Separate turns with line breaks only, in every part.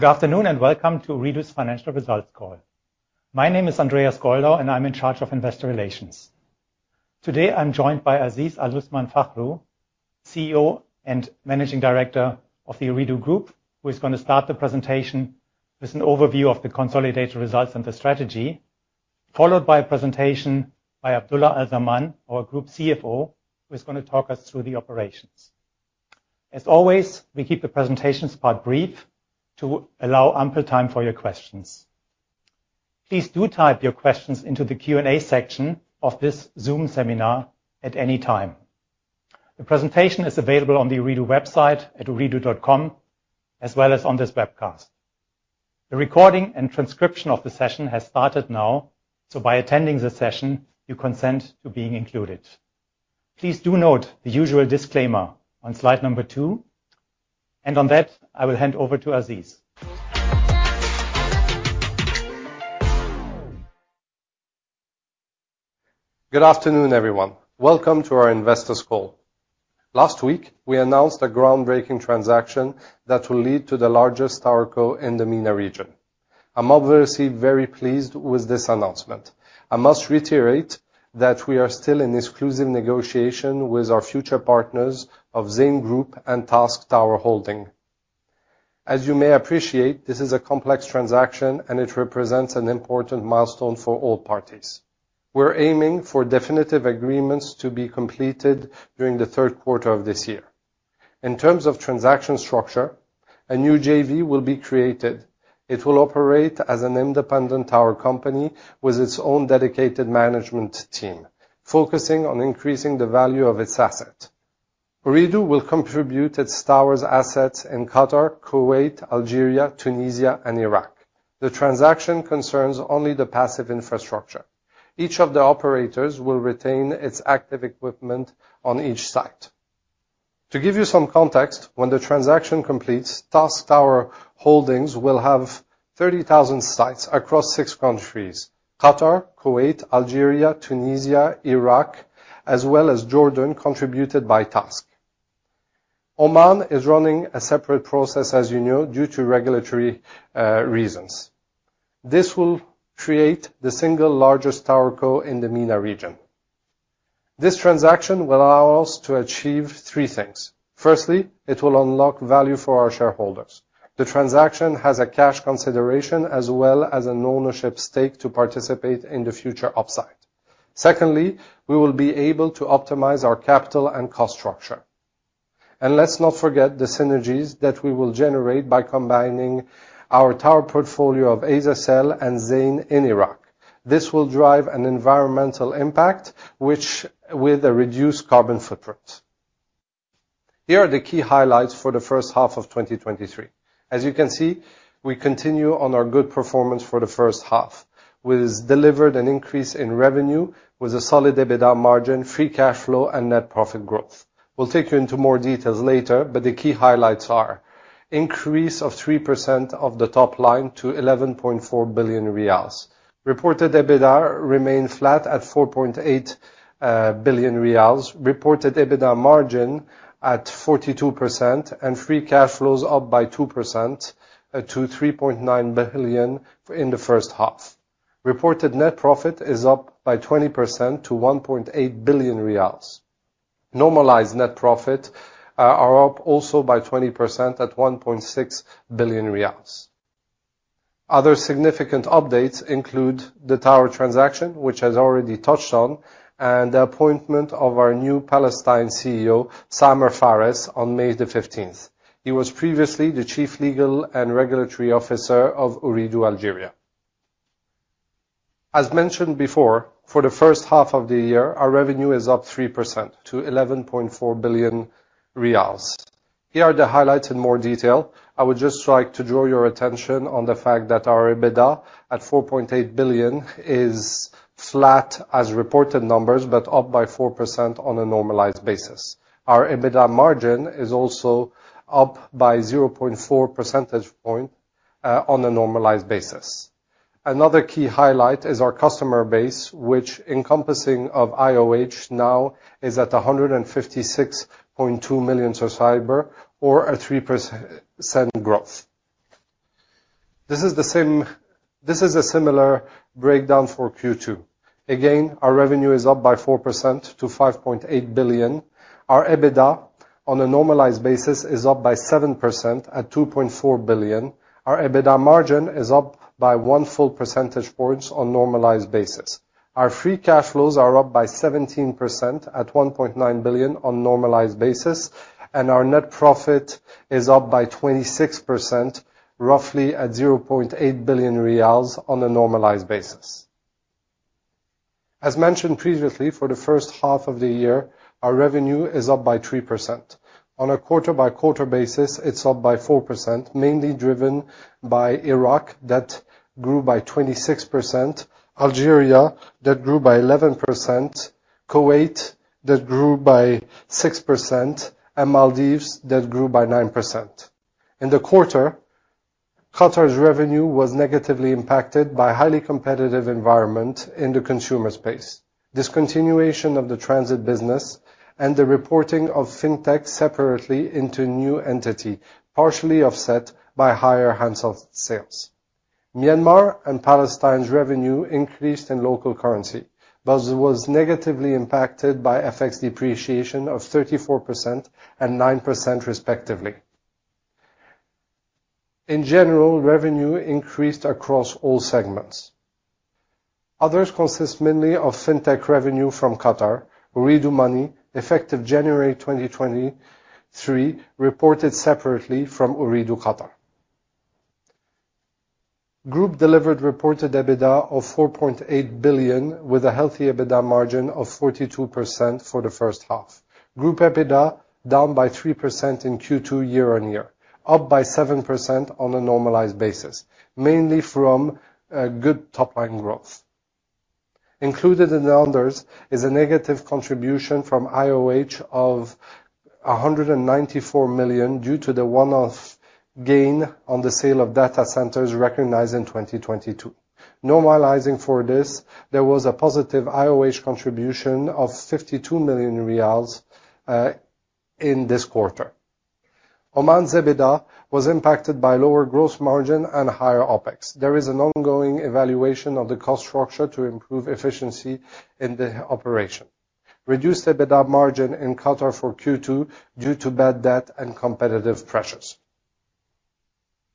Good afternoon and welcome to Ooredoo's Financial Results Call. My name is Andreas Goldau, and I'm in charge of Investor Relations. Today, I'm joined by Aziz Aluthman Fakhroo, CEO and Managing Director of the Ooredoo Group, who is going to start the presentation with an overview of the consolidated results and the strategy, followed by a presentation by Abdulla Al Zaman, our Group CFO, who is going to talk us through the operations. As always, we keep the presentations part brief to allow ample time for your questions. Please do type your questions into the Q&A section of this Zoom seminar at any time. The presentation is available on the Ooredoo website at ooredoo.com, as well as on this webcast. The recording and transcription of the session has started now, so by attending this session, you consent to being included. Please do note the usual disclaimer on slide number two.` On that, I will hand over to Aziz.
Good afternoon, everyone. Welcome to our investors call. Last week, we announced a groundbreaking transaction that will lead to the largest TowerCo in the MENA region. I'm obviously very pleased with this announcement. I must reiterate that we are still in exclusive negotiation with our future partners of Zain Group and TASC Towers Holding. As you may appreciate, this is a complex transaction, and it represents an important milestone for all parties. We're aiming for definitive agreements to be completed during the third quarter of this year. In terms of transaction structure, a new JV will be created. It will operate as an independent tower company with its own dedicated management team, focusing on increasing the value of its asset. Ooredoo will contribute its towers assets in Qatar, Kuwait, Algeria, Tunisia, and Iraq. The transaction concerns only the passive infrastructure. Each of the operators will retain its active equipment on each site. To give you some context, when the transaction completes, TASC Towers Holding will have 30,000 sites across six countries: Qatar, Kuwait, Algeria, Tunisia, Iraq, as well as Jordan, contributed by TASC. Oman is running a separate process, as you know, due to regulatory reasons. This will create the single largest TowerCo in the MENA region. This transaction will allow us to achieve three things. Firstly, it will unlock value for our shareholders. The transaction has a cash consideration as well as an ownership stake to participate in the future upside. Secondly, we will be able to optimize our capital and cost structure. Let's not forget the synergies that we will generate by combining our tower portfolio of Asiacell and Zain in Iraq. This will drive an environmental impact with a reduced carbon footprint. Here are the key highlights for the first half of 2023. As you can see, we continue on our good performance for the first half, which has delivered an increase in revenue with a solid EBITDA margin, free cash flow, and net profit growth. We'll take you into more details later. The key highlights are: increase of 3% of the top line to 11.4 billion riyals. Reported EBITDA remained flat at 4.8 billion riyals. Reported EBITDA margin at 42%, free cash flows up by 2% to 3.9 billion in the first half. Reported net profit is up by 20% to 1.8 billion riyals. Normalized net profit are up also by 20% at 1.6 billion riyals. Other significant updates include the tower transaction, which I has already touched on, and the appointment of our new Ooredoo Palestine CEO, Samer Fares, on May the 15th. He was previously the Chief Legal and Regulatory Officer of Ooredoo Algeria. As mentioned before, for the first half of the year, our revenue is up 3% to 11.4 billion riyals. Here are the highlights in more detail. I would just like to draw your attention on the fact that our EBITDA, at 4.8 billion, is flat as reported numbers, but up by 4% on a normalized basis. Our EBITDA margin is also up by 0.4 percentage point on a normalized basis. Another key highlight is our customer base, which encompassing of IOH now is at 156.2 million subscriber or a 3% growth. This is a similar breakdown for Q2. Our revenue is up by 4% to 5.8 billion. Our EBITDA on a normalized basis is up by 7% at 2.4 billion. Our EBITDA margin is up by 1 full percentage points on normalized basis. Our free cash flows are up by 17% at 1.9 billion on normalized basis. Our net profit is up by 26%, roughly at 0.8 billion riyals on a normalized basis. As mentioned previously, for the first half of the year, our revenue is up by 3%. On a quarter-by-quarter basis, it's up by 4%, mainly driven by Iraq, that grew by 26%, Algeria, that grew by 11%, Kuwait, that grew by 6%, Maldives, that grew by 9%. In the quarter, Qatar's revenue was negatively impacted by highly competitive environment in the consumer space. Discontinuation of the Transit business, the reporting of Fintech separately into new entity, partially offset by higher handset sales. Myanmar and Palestine's revenue increased in local currency, it was negatively impacted by FX depreciation of 34% and 9% respectively. In general, revenue increased across all segments. Others consist mainly of Fintech revenue from Qatar. Ooredoo Money, effective January 2023, reported separately from Ooredoo, Qatar. Group delivered reported EBITDA of 4.8 billion, with a healthy EBITDA margin of 42% for the first half. Group EBITDA down by 3% in Q2 year-on-year, up by 7% on a normalized basis, mainly from good top line growth. Included in the others is a negative contribution from IOH of 194 million, due to the one-off gain on the sale of data centers recognized in 2022. Normalizing for this, there was a positive IOH contribution of 52 million riyals in this quarter. Oman's EBITDA was impacted by lower growth margin and higher OpEx. There is an ongoing evaluation of the cost structure to improve efficiency in the operation. Reduced EBITDA margin in Qatar for Q2 due to bad debt and competitive pressures.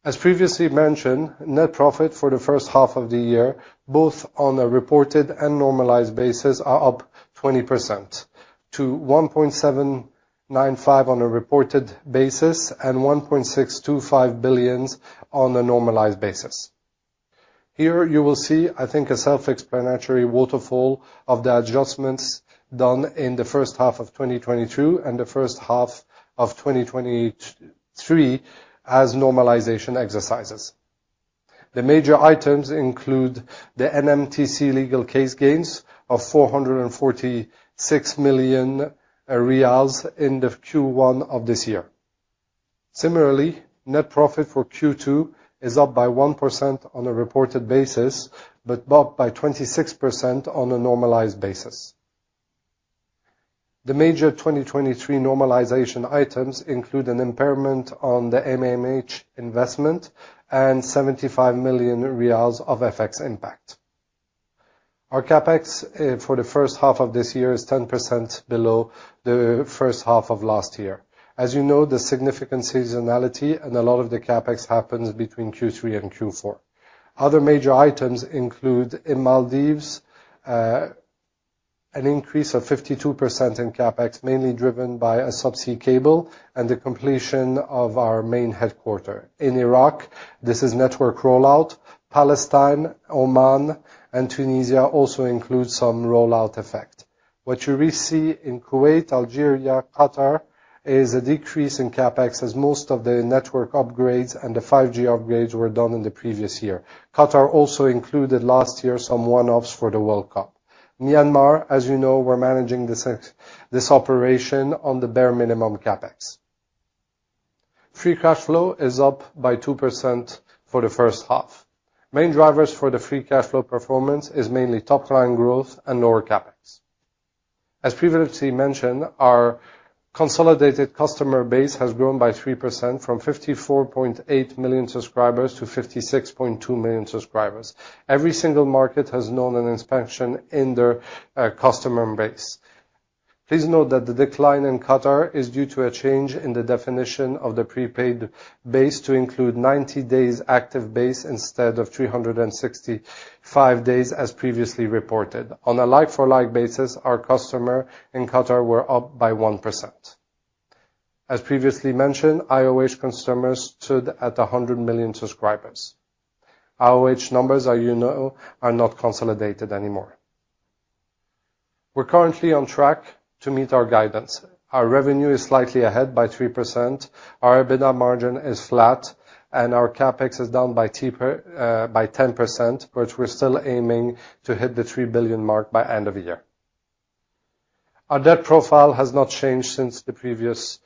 As previously mentioned, net profit for the first half of the year, both on a reported and normalized basis, are up 20% to 1.795 billion on a reported basis and 1.625 billion on a normalized basis. Here you will see, I think, a self-explanatory waterfall of the adjustments done in the first half of 2022 and the first half of 2023 as normalization exercises. The major items include the NMTC legal case gains of 446 million riyals in the Q1 of this year. Similarly, net profit for Q2 is up by 1% on a reported basis, but up by 26% on a normalized basis. The major 2023 normalization items include an impairment on the MMH investment and 75 million riyals of FX impact. Our CapEx for the first half of this year is 10% below the first half of last year. As you know, the significant seasonality and a lot of the CapEx happens between Q3 and Q4. Other major items include in Maldives, an increase of 52% in CapEx, mainly driven by a subsea cable and the completion of our main headquarter. In Iraq, this is network rollout. Palestine, Oman, and Tunisia also includes some rollout effect. What we see in Kuwait, Algeria, Qatar is a decrease in CapEx, as most of the network upgrades and the 5G upgrades were done in the previous year. Qatar also included last year some one-offs for the World Cup. Myanmar, as you know, we're managing this, this operation on the bare minimum CapEx. Free cash flow is up by 2% for the first half. Main drivers for the free cash flow performance is mainly top-line growth and lower CapEx. As previously mentioned, our consolidated customer base has grown by 3% from 54.8 million subscribers to 56.2 million subscribers. Every single market has known an expansion in their customer base. Please note that the decline in Qatar is due to a change in the definition of the prepaid base to include 90 days active base instead of 365 days, as previously reported. On a like-for-like basis, our customer in Qatar were up by 1%. As previously mentioned, IOH customers stood at 100 million subscribers. IOH numbers, as you know, are not consolidated anymore. We're currently on track to meet our guidance. Our revenue is slightly ahead by 3%, our EBITDA margin is flat, and our CapEx is down by 10%, but we're still aiming to hit the 3 billion mark by end of year. Our debt profile has not changed since the previous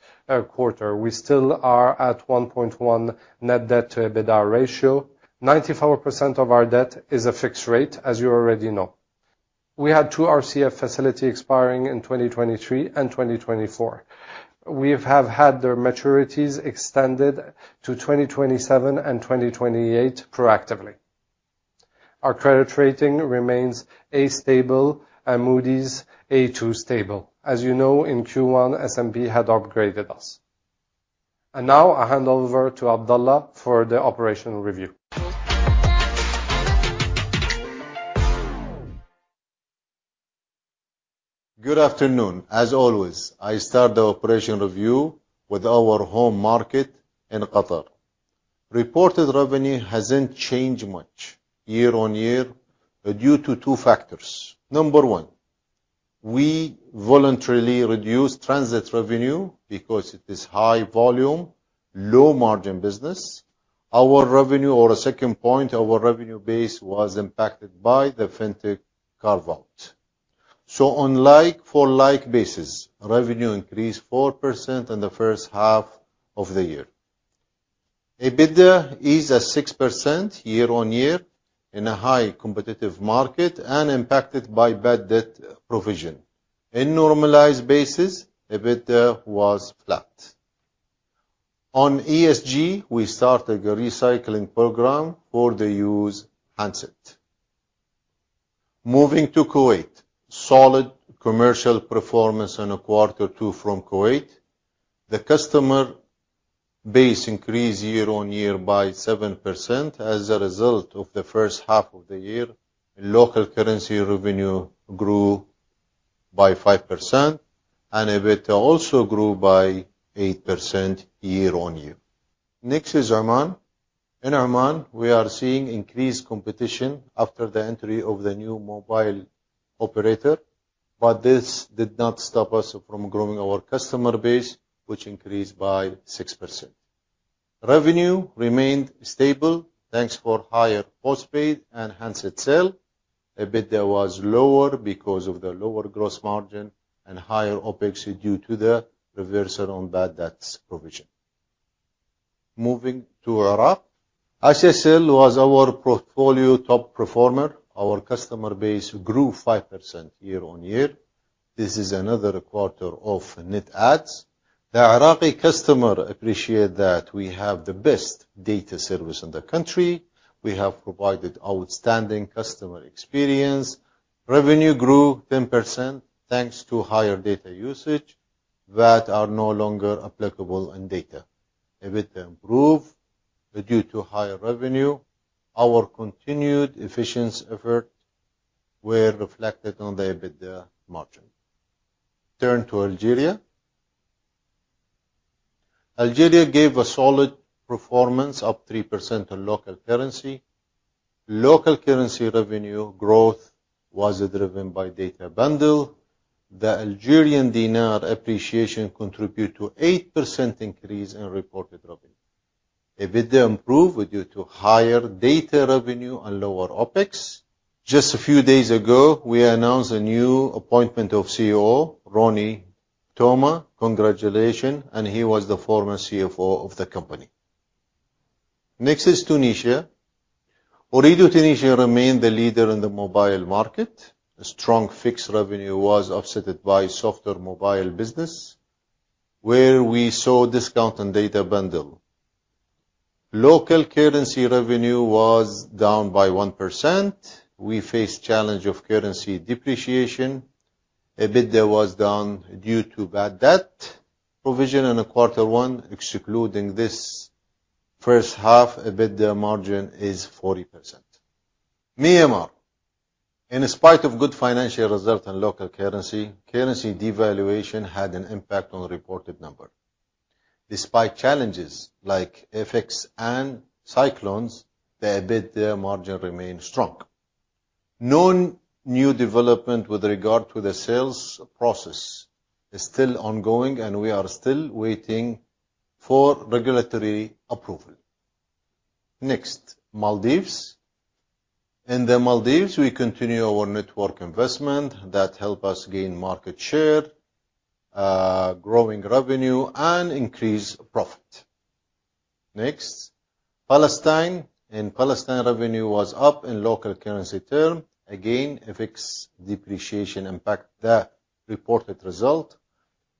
quarter. We still are at 1.1 net debt to EBITDA ratio. 94% of our debt is a fixed rate, as you already know. We had two RCF facility expiring in 2023 and 2024. We've had their maturities extended to 2027 and 2028 proactively. Our credit rating remains A stable and Moody's A2 stable. As you know, in Q1, S&P had upgraded us. Now I hand over to Abdulla for the operational review.
Good afternoon. As always, I start the operation review with our home market in Qatar. Reported revenue hasn't changed much year-on-year due to two factors. Number one, we voluntarily reduced transit revenue because it is high volume, low margin business. Our revenue or the second point, our revenue base was impacted by the Fintech carve-out. On like-for-like basis, revenue increased 4% in the first half of the year. EBITDA is at 6% year-on-year in a high competitive market and impacted by bad debt provision. In normalized basis, EBITDA was flat. On ESG, we started a recycling program for the used handset. Moving to Kuwait. Solid commercial performance in a quarter two from Kuwait. The customer base increased year-on-year by 7% as a result of the first half of the year. Local currency revenue grew by 5%, EBITDA also grew by 8% year-on-year. Next is Oman. In Oman, we are seeing increased competition after the entry of the new mobile operator, but this did not stop us from growing our customer base, which increased by 6%. Revenue remained stable, thanks for higher postpaid and handset sales. EBITDA was lower because of the lower gross margin and higher OpEx due to the reversal on bad debts provision. Moving to Iraq. Asiacell was our portfolio top performer. Our customer base grew 5% year-on-year. This is another quarter of net adds. The Iraqi customer appreciate that we have the best data service in the country. We have provided outstanding customer experience. Revenue grew 10%, thanks to higher data usage that are no longer applicable in data. EBITDA improved due to higher revenue. Our continued efficiency effort were reflected on the EBITDA margin. Turn to Algeria. Algeria gave a solid performance, up 3% on local currency. Local currency revenue growth was driven by data bundle. The Algerian dinar appreciation contribute to 8% increase in reported revenue. EBITDA improved due to higher data revenue and lower OpEx. Just a few days ago, we announced a new appointment of COO, Roni Tohme. Congratulations, he was the former CFO of the company. Next is Tunisia. Ooredoo Tunisia remained the leader in the mobile market. A strong fixed revenue was offsetted by Softer Mobile business, where we saw discount on data bundle. Local currency revenue was down by 1%. We face challenge of currency depreciation. EBITDA was down due to bad debt provision in the quarter one. Excluding this first half, EBITDA margin is 40%. Myanmar, in spite of good financial result in local currency, currency devaluation had an impact on the reported number. Despite challenges like FX and cyclones, the EBITDA margin remained strong. No new development with regard to the sales process is still ongoing. We are still waiting for regulatory approval. Next, Maldives. In the Maldives, we continue our network investment that help us gain market share, growing revenue and increase profit. Next, Palestine. In Palestine, revenue was up in local currency term. Again, FX depreciation impact the reported result.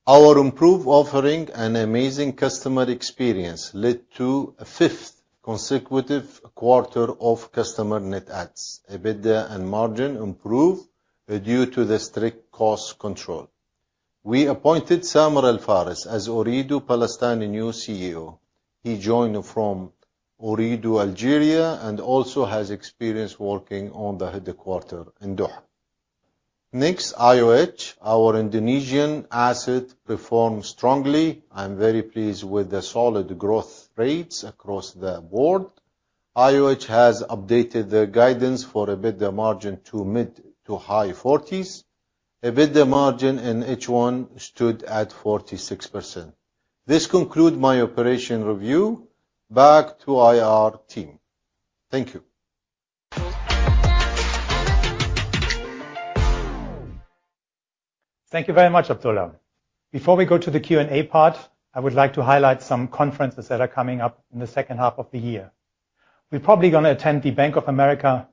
Our improved offering and amazing customer experience led to a fifth consecutive quarter of customer net adds. EBITDA and margin improved due to the strict cost control. We appointed Samer Al-Fares as Ooredoo Palestine new CEO. He joined from Ooredoo Algeria and also has experience working on the headquarter in Doha. Next, IOH. Our Indonesian asset performed strongly. I'm very pleased with the solid growth rates across the board. IOH has updated the guidance for EBITDA margin to mid-to-high 40s. EBITDA margin in H1 stood at 46%. This conclude my operation review. Back to IR team. Thank you.
Thank you very much, Abdulla. Before we go to the Q&A part, I would like to highlight some conferences that are coming up in the second half of the year. We're probably gonna attend the Bank of America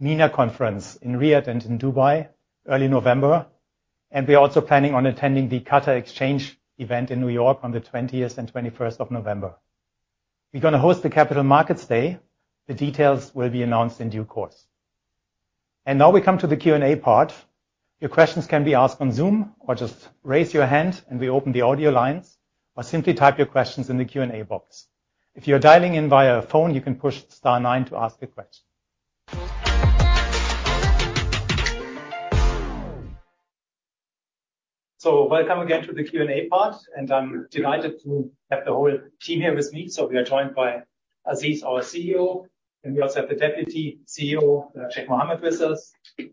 MENA conference in Riyadh and in Dubai, early November, and we're also planning on attending the Qatar Exchange event in New York on the 20th and 21st of November. We're gonna host the Capital Markets Day. The details will be announced in due course. Now we come to the Q&A part. Your questions can be asked on Zoom, or just raise your hand and we open the audio lines, or simply type your questions in the Q&A box. If you're dialing in via phone, you can push star nine to ask a question. Welcome again to the Q&A part, and I'm delighted to have the whole team here with me. We are joined by Aziz, our CEO, and we also have the Deputy CEO, Sheikh Mohammed, with us,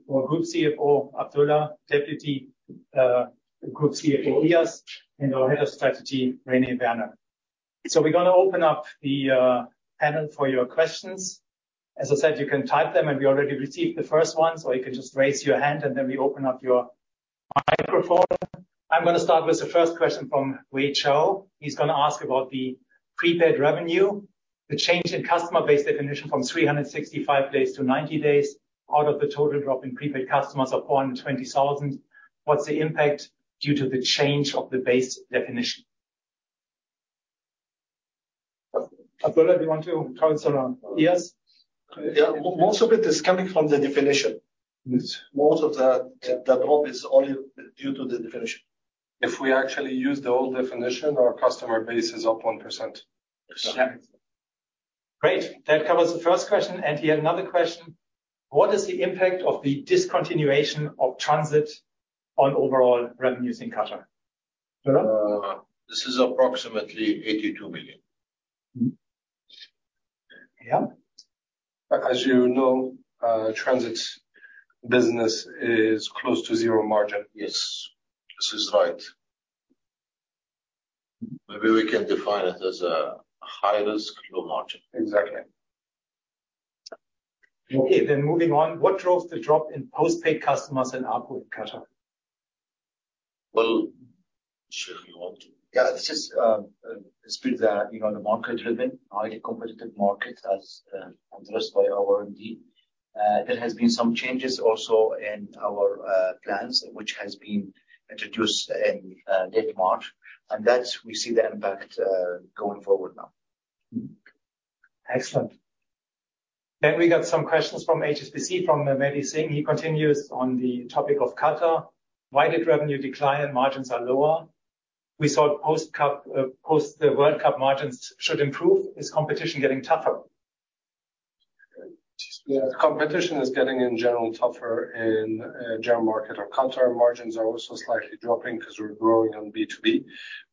our Group CFO, Abdulla, Deputy Group CFO, Eyas, and our Head of Strategy, René Werner. We're gonna open up the panel for your questions. As I said, you can type them, and we already received the first one, so you can just raise your hand, and then we open up your microphone. I'm gonna start with the first question from Wei Chow. He's gonna ask about the prepaid revenue, the change in customer base definition from 365 days to 90 days, out of the total drop in prepaid customers of 120,000. What's the impact due to the change of the base definition?
Abdulla, do you want to comment on?
Yes. Yeah, most of it is coming from the definition. Most of the, the drop is only due to the definition.
If we actually use the old definition, our customer base is up 1%.
Exactly.
Great. That covers the first question, and he had another question: What is the impact of the discontinuation of Transit on overall revenues in Qatar? Abdulla?
This is approximately 82 million.
Yeah.
As you know, Transit's business is close to zero margin.
Yes, this is right. Maybe we can define it as a high risk, low margin.
Exactly.
Okay, moving on, what drove the drop in postpaid customers in Opco Qatar?
Well, sure, you want to-
Yeah, this is, it's been, you know, the market-driven, highly competitive market, as addressed by our MD. There has been some changes also in our plans, which has been introduced in late March, and that's we see the impact going forward now.
Excellent. We got some questions from HSBC, from Madhi Singh. He continues on the topic of Qatar. Why did revenue decline and margins are lower? We thought post-Cup, post the World Cup margins should improve. Is competition getting tougher?
Yeah. Competition is getting, in general, tougher in general market or Qatar. Margins are also slightly dropping because we're growing on B2B,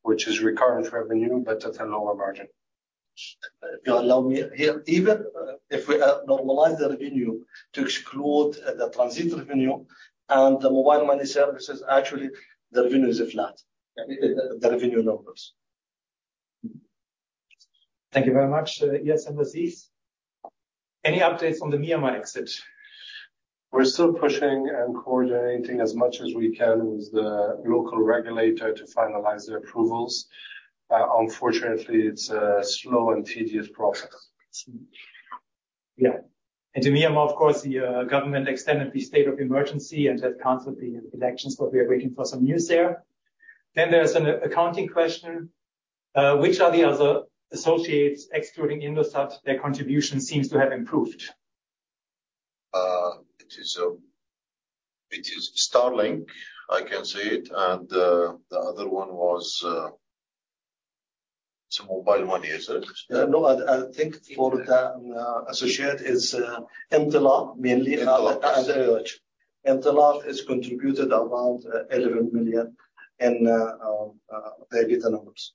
which is recurrent revenue, but at a lower margin.
If you allow me here, even if we normalize the revenue to exclude the transit revenue and the mobile money services, actually, the revenue is flat, the revenue numbers.
Thank you very much. Yes, Aziz, any updates on the Myanmar exit?
We're still pushing and coordinating as much as we can with the local regulator to finalize their approvals. Unfortunately, it's a slow and tedious process.
Yeah. To Myanmar, of course, the government extended the state of emergency and has canceled the elections. We are waiting for some news there. There's an accounting question. Which are the other associates excluding Indosat? Their contribution seems to have improved.
It is, it is Starlink, I can see it, and the other one was, it's Mobile Money, is it?
No, I, I think for the associate is Intaleq, mainly.
Intaleq.
Intaleq has contributed around 11 million in the EBITDA numbers.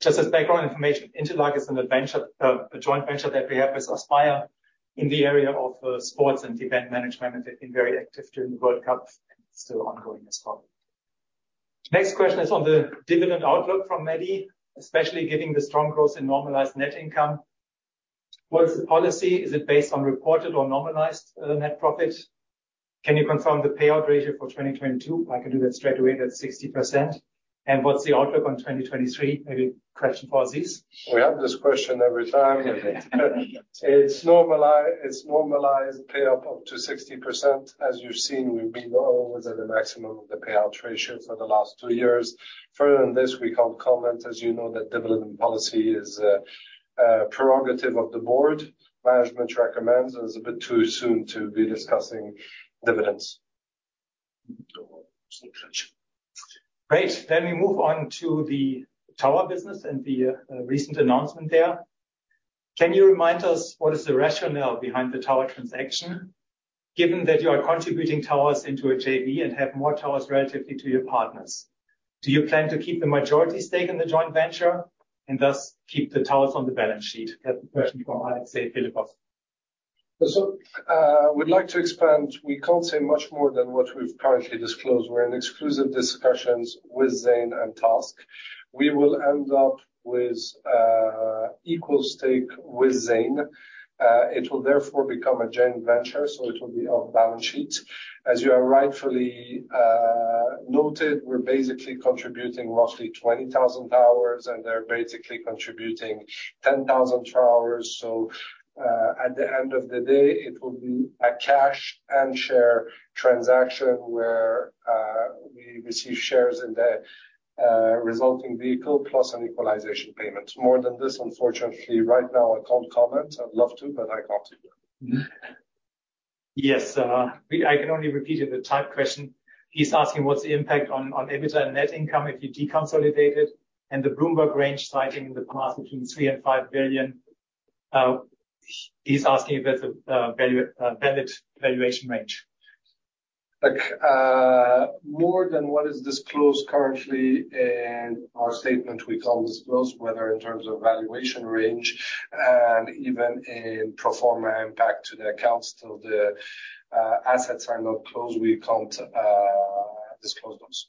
Just as background information, Intaleq is an adventure, a joint venture that we have with Aspire in the area of sports and event management, and they've been very active during the World Cup and still ongoing as well. Next question is on the dividend outlook from Madhi, especially given the strong growth in normalized net income. What is the policy? Is it based on reported or normalized net profit? Can you confirm the payout ratio for 2022? I can do that straight away, that's 60%. What's the outlook on 2023? Maybe question for Aziz.
We have this question every time. It's normalized pay up to 60%. As you've seen, we've been always at the maximum of the payout ratios for the last 2 years. Further than this, we can't comment. As you know, that dividend policy is prerogative of the board. Management recommends, it's a bit too soon to be discussing dividends.
Great. We move on to the Tower business and the recent announcement there. Can you remind us, what is the rationale behind the tower transaction, given that you are contributing towers into a JV and have more towers relatively to your partners? Do you plan to keep the majority stake in the joint venture and thus keep the towers on the balance sheet? That question from Alexey Philippov.
We'd like to expand. We can't say much more than what we've currently disclosed. We're in exclusive discussions with Zain and TASC. We will end up with equal stake with Zain. It will therefore become a joint venture, so it will be off balance sheet. As you have rightfully noted, we're basically contributing mostly 20,000 towers, and they're basically contributing 10,000 towers. At the end of the day, it will be a cash and share transaction where we receive shares in the resulting vehicle, plus an equalization payment. More than this, unfortunately, right now, I can't comment. I'd love to, but I can't.
Yes, we-- I can only repeat it, the type question. He's asking what's the impact on EBITDA and net income if you deconsolidated, and the Bloomberg range citing the past between 3 billion and 5 billion. He's asking if that's a value, valid valuation range.
Like, more than what is disclosed currently in our statement, we can't disclose, whether in terms of valuation range and even in pro forma impact to the accounts till the assets are not closed, we can't disclose those.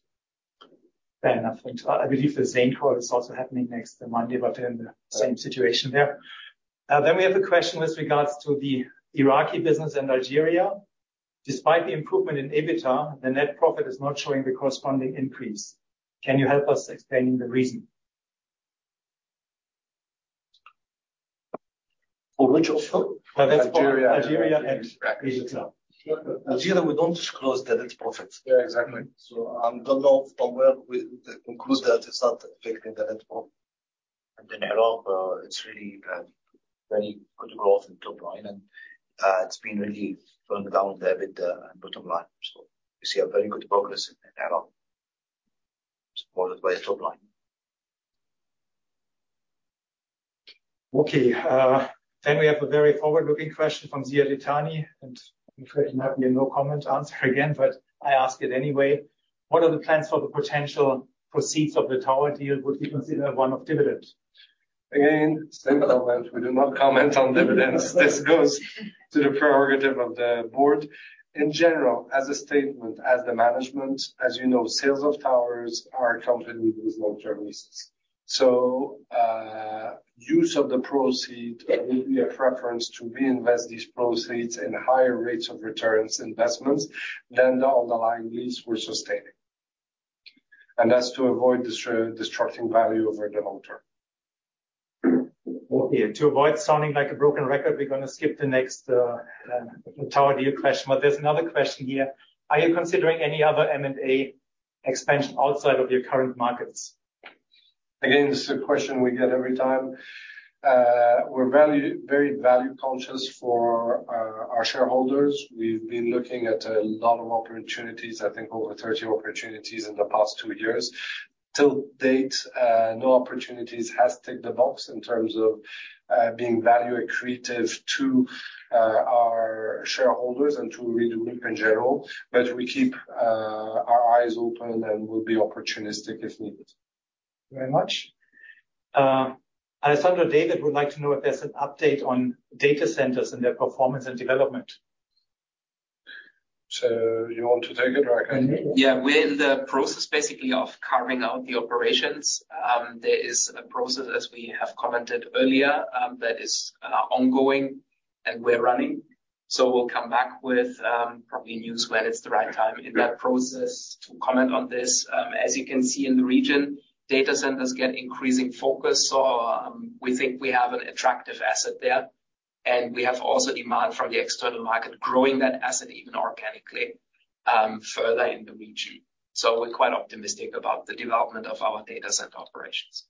Fair enough. I believe the same call is also happening next Monday, but we're in the same situation there. We have a question with regards to the Iraqi business in Nigeria. Despite the improvement in EBITDA, the net profit is not showing the corresponding increase. Can you help us explaining the reason?
For which of?
Nigeria. Nigeria and Egypt.
Nigeria, we don't disclose the net profits.
Yeah, exactly.
I don't know from where we conclude that it's not affecting the net profit.
Arab, it's really, very good growth in top line, and, it's been really going down there with the bottom line. We see a very good progress in Arab, supported by top line.
Okay. We have a very forward-looking question from Ziad Itani. I'm pretty happy in no comment answer again, but I ask it anyway. What are the plans for the potential proceeds of the tower deal? Would you consider one of dividend?
Again, same element. We do not comment on dividends. This goes to the prerogative of the board. In general, as a statement, as the management, as you know, sales of towers are accompanied with long-term leases. use of the proceed will be a preference to reinvest these proceeds in higher rates of returns investments than the underlying lease we're sustaining. that's to avoid destroying value over the long term.
Okay. To avoid sounding like a broken record, we're going to skip the next tower to you question. There's another question here: Are you considering any other M&A expansion outside of your current markets?
Again, this is a question we get every time. We're value, very value conscious for our, our shareholders. We've been looking at a lot of opportunities, I think over 30 opportunities in the past 2 years. Till date, no opportunities has ticked the box in terms of, being value accretive to, our shareholders and to Redefine in general. We keep, our eyes open and we'll be opportunistic if needed.
Thank you very much. Alessandra David, would like to know if there's an update on data centers and their performance and development.
You want to take it, or I can?
Mm-hmm.
Yeah. We're in the process, basically, of carving out the operations. There is a process, as we have commented earlier, that is ongoing and we're running. We'll come back with probably news when it's the right time in that process to comment on this. As you can see in the region, data centers get increasing focus, so we think we have an attractive asset there, and we have also demand from the external market, growing that asset even organically, further in the region. We're quite optimistic about the development of our data center operations.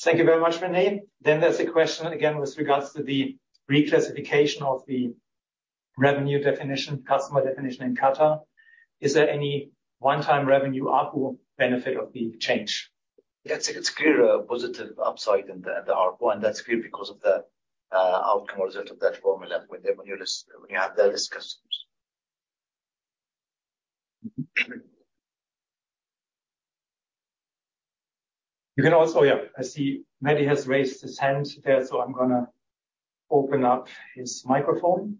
Thank you very much, René. There's a question again with regards to the reclassification of the revenue definition, customer definition in Qatar. Is there any one-time revenue ARPU benefit of the change?
Yes, it's clear, a positive upside in the, the ARPU, that's clear because of the outcome or result of that formula when you're, when you have those customers.
You can also. Yeah, I see Madhi has raised his hand there, so I'm gonna open up his microphone.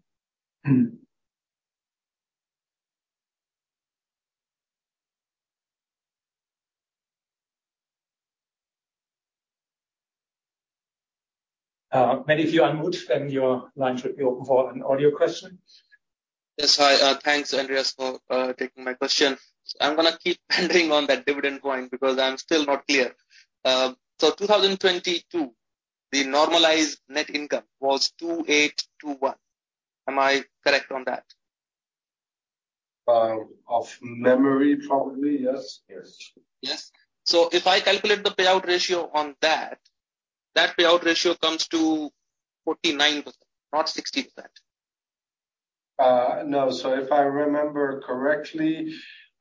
Madhi, if you unmute, then your line should be open for an audio question.
Yes. Hi, thanks, Andreas, for taking my question. I'm gonna keep harping on that dividend point because I'm still not clear. 2022, the normalized net income was 2,821. Am I correct on that?
Off memory, probably, yes.
Yes.
Yes? If I calculate the payout ratio on that, that payout ratio comes to 49%, not 60%.
No. If I remember correctly,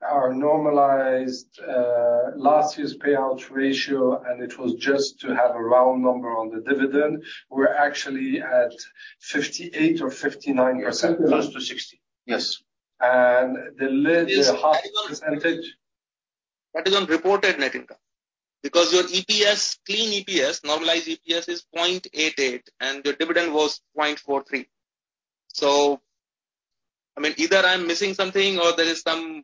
our normalized last year's payout ratio, and it was just to have a round number on the dividend, we're actually at 58% or 59%, close to 60%.
Yes.
The lid 0.5%.
That is on reported net income. Your EPS, clean EPS, normalized EPS is 0.88, and your dividend was 0.43. I mean, either I'm missing something or there is some-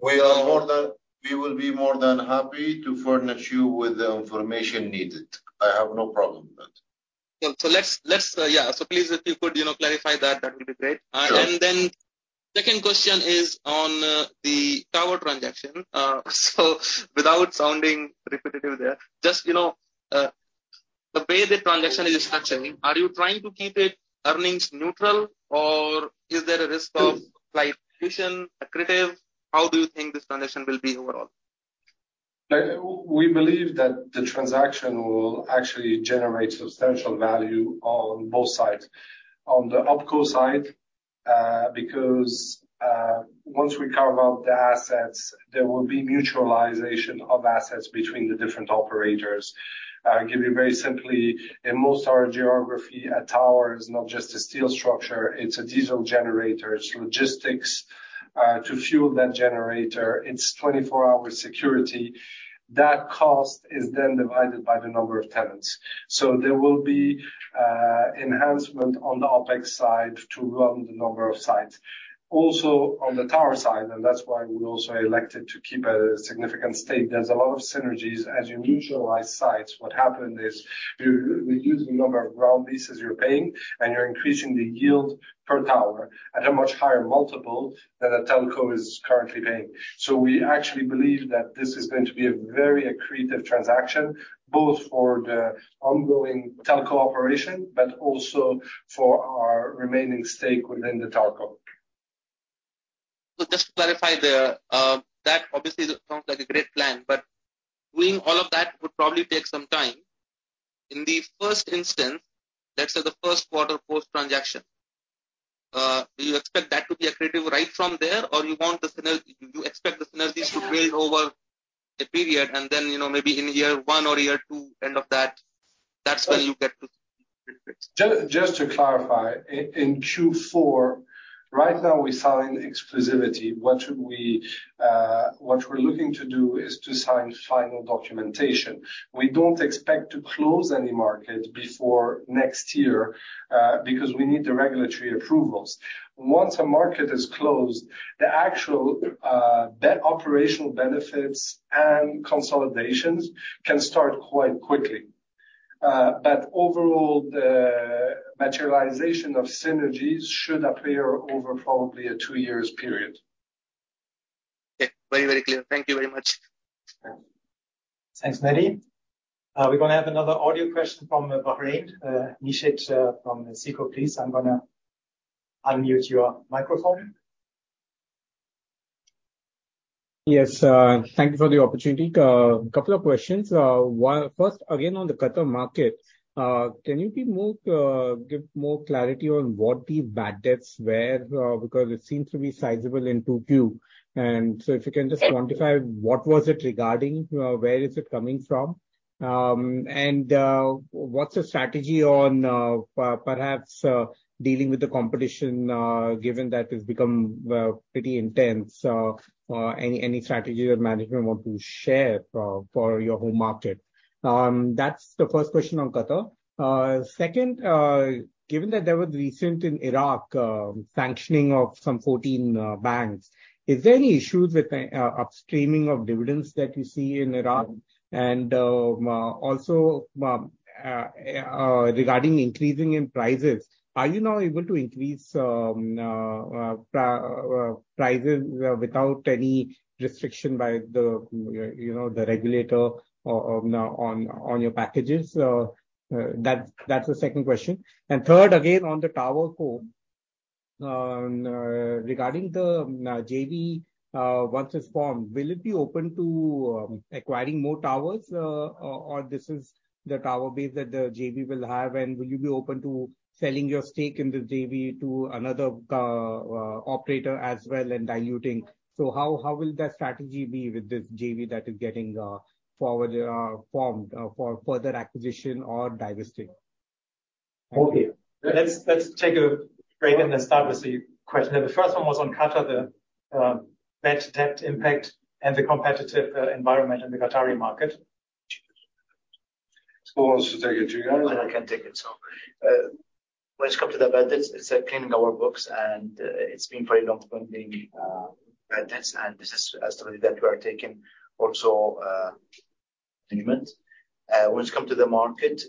We will be more than happy to furnish you with the information needed. I have no problem with that.
Cool. let's, let's, yeah. Please, if you could, you know, clarify that, that would be great.
Sure.
Second question is on the tower transaction. Without sounding repetitive there, just, you know, the way the transaction is structuring, are you trying to keep it earnings neutral, or is there a risk of like accretion, accretive? How do you think this transaction will be overall?
We believe that the transaction will actually generate substantial value on both sides. On the OpCo side, because once we carve out the assets, there will be mutualization of assets between the different operators. Give you very simply, in most our geography, a tower is not just a steel structure, it's a diesel generator. It's logistics to fuel that generator. It's 24-hour security. That cost is then divided by the number of tenants. There will be enhancement on the OpEx side to run the number of sites. Also, on the tower side, and that's why we also elected to keep a significant stake. There's a lot of synergies. As you neutralize sites, what happened is you reduce the number of ground leases you're paying, and you're increasing the yield per tower at a much higher multiple than a telco is currently paying. We actually believe that this is going to be a very accretive transaction, both for the ongoing telco operation, but also for our remaining stake within the TowerCo.
Just to clarify there, that obviously sounds like a great plan, but doing all of that would probably take some time. In the first instance, let's say the first quarter post-transaction, do you expect that to be accretive right from there? Do you expect the synergies to build over a period, and then, you know, maybe in year one or year two, end of that, that's when you get to?
Just, just to clarify, in Q4, right now, we signed exclusivity. What we're looking to do is to sign final documentation. We don't expect to close any market before next year, because we need the regulatory approvals. Once a market is closed, the actual, the operational benefits and consolidations can start quite quickly. Overall, the materialization of synergies should appear over probably a two years period.
Okay. Very, very clear. Thank you very much.
Thanks, Madhi. We're gonna have another audio question from Bahrain. Nishit, from SICO, please, I'm gonna unmute your microphone.
Yes, thank you for the opportunity. A couple of questions. One, first, again, on the Qatar market, can you be more, give more clarity on what the bad debts were? Because it seems to be sizable in 2Q. So if you can just quantify, what was it regarding, where is it coming from? What's the strategy on, perhaps, dealing with the competition, given that it's become, pretty intense? Any, any strategy that management want to share, for your home market? That's the first question on Qatar. Second, given that there was recent in Iraq, sanctioning of some 14 banks, is there any issues with, upstreaming of dividends that you see in Iraq? Also, regarding increasing in prices, are you now able to increase prices without any restriction by the, you know, the regulator on your packages? That's the second question. Third, again, on the TowerCo, regarding the JV, once it's formed, will it be open to acquiring more towers, or this is the tower base that the JV will have? Will you be open to selling your stake in the JV to another operator as well and diluting? How will that strategy be with this JV that is getting formed for further acquisition or divesting?
Okay. Let's, let's take a break and then start with the question. The first one was on Qatar, the bad debt impact and the competitive environment in the Qatari market.
Who wants to take it? Do you-
I can take it. When it come to the bad debts, it's cleaning our books, and it's been very long pending bad debts, and this is a strategy that we are taking also management. When it come to the market,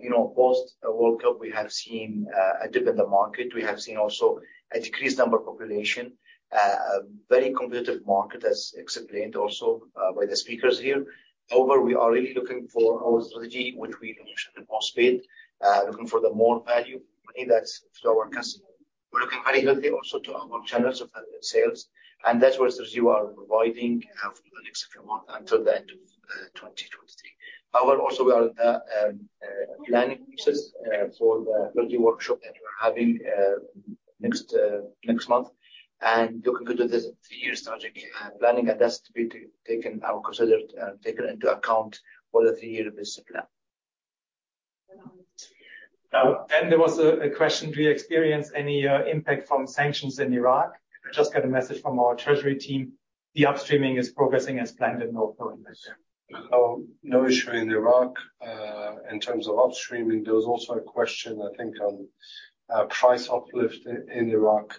you know, post-World Cup, we have seen a dip in the market. We have seen also a decreased number of population. A very competitive market, as explained also by the speakers here. However, we are really looking for our strategy, which we mentioned in more speed, looking for the more value that's to our customer. We're looking very healthy also to our channels of sales, and that's where you are providing if you want, until the end of 2023. However, also, we are planning for the workshop that we are having next next month, and looking to this three-year strategic planning, and that's to be taken or considered taken into account for the three-year business plan.
There was a question: Do you experience any impact from sanctions in Iraq? Just got a message from our treasury team. The upstreaming is progressing as planned and no problems.
No issue in Iraq in terms of upstreaming. There was also a question, I think, on price uplift in Iraq.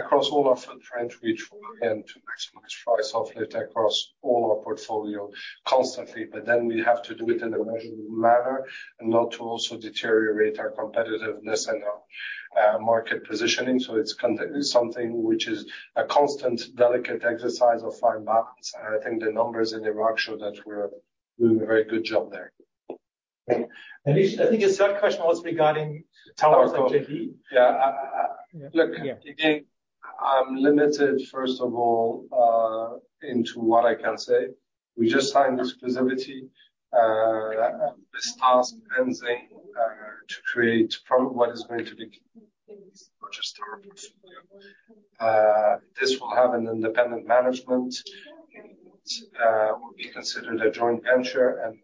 Across all of the trends, we try and to maximize price uplift across all our portfolio constantly, but then we have to do it in a measurable manner and not to also deteriorate our competitiveness and our market positioning. It's something which is a constant, delicate exercise of fine balance, and I think the numbers in Iraq show that we're doing a very good job there.
I think his third question was regarding towers and JV.
Yeah, look, again, I'm limited, first of all, into what I can say. We just signed exclusivity, this TASC, ending, to create from what is going to be just. This will have an independent management, will be considered a joint venture and,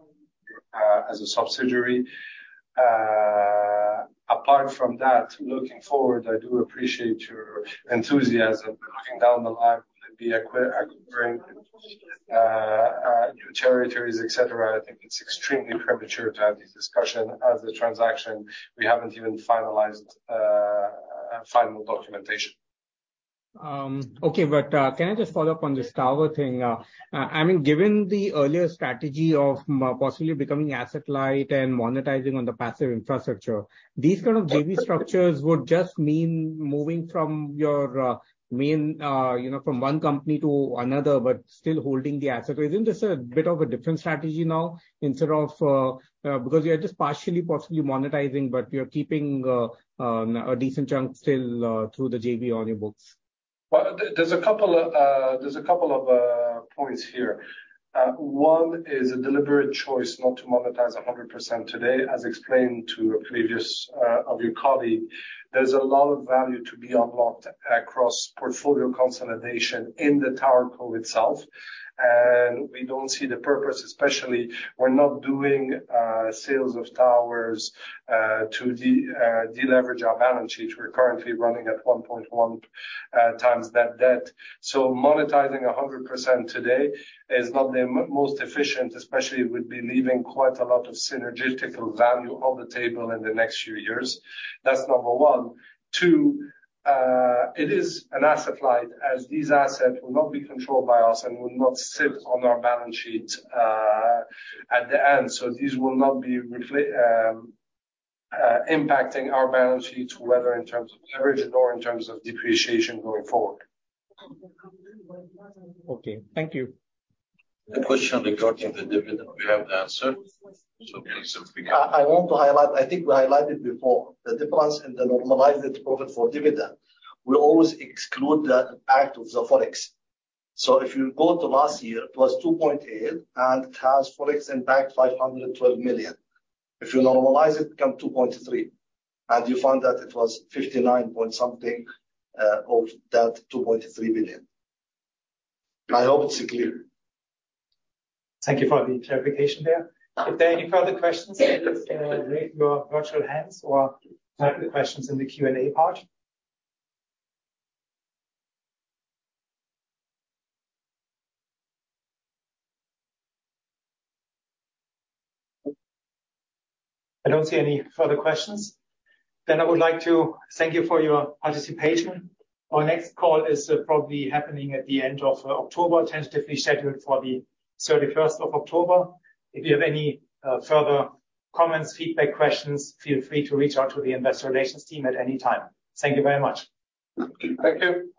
as a subsidiary-Apart from that, looking forward, I do appreciate your enthusiasm. Looking down the line, could be acqui- acquiring, new territories, et cetera. I think it's extremely premature to have this discussion as a transaction. We haven't even finalized, final documentation.
Can I just follow up on this tower thing? I mean, given the earlier strategy of possibly becoming asset-light and monetizing on the passive infrastructure, these kind of JV structures would just mean moving from your main, you know, from one company to another, but still holding the asset. Isn't this a bit of a different strategy now instead of because you are just partially, possibly monetizing, but you're keeping a decent chunk still through the JV on your books?
Well, there, there's a couple of, there's a couple of points here. One is a deliberate choice not to monetize 100% today. As explained to a previous of your colleague, there's a lot of value to be unlocked across portfolio consolidation in the TowerCo itself, and we don't see the purpose, especially we're not doing sales of towers to deleverage our balance sheet. We're currently running at 1.1 times that debt. Monetizing 100% today is not the most efficient, especially with believing quite a lot of synergetical value on the table in the next few years. That's number one. Two, it is an asset light, as these assets will not be controlled by us and will not sit on our balance sheet at the end. These will not be impacting our balance sheet, whether in terms of leverage or in terms of depreciation going forward.
Okay, thank you.
The question regarding the dividend, we have the answer? Please, begin.
I want to highlight I think we highlighted before, the difference in the normalized profit for dividend, we always exclude the impact of the forex. If you go to last year, it was 2.8 billion, and it has forex impact, 512 million. If you normalize, it become 2.3 billion, and you find that it was 59.something of that 2.3 billion. I hope it's clear.
Thank you for the clarification there. If there are any further questions, raise your virtual hands or type the questions in the Q&A part. I don't see any further questions. I would like to thank you for your participation. Our next call is probably happening at the end of October, tentatively scheduled for the 31st of October. If you have any further comments, feedback, questions, feel free to reach out to the investor relations team at any time. Thank you very much.
Thank you.